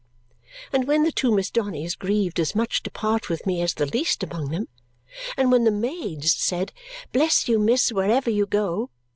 And when the two Miss Donnys grieved as much to part with me as the least among them, and when the maids said, "Bless you, miss, wherever you go!"